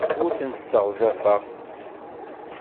Ur tent-sseɣzafeɣ.